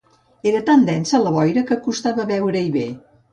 Era tan densa la boira que costava veure-hi bé.